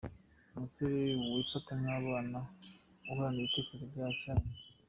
Umusore wifata nk’abana, uhorana ibitekerezo bya cyana.